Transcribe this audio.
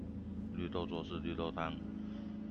綠豆做事綠豆湯